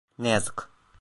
Ne yazık.